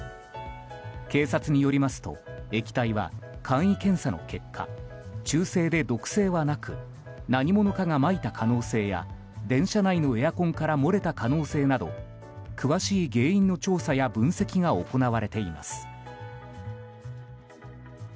警察によりますと液体は簡易検査の結果中性で毒性はなく何者かがまいた可能性や電車内のエアコンから漏れた可能性など詳しい原因の調査や分析が行われています。